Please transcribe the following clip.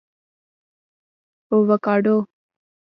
🥑 اوکاډو